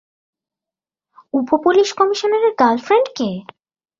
উপ-পুলিশ কমিশনারের গার্লফ্রেন্ডকে!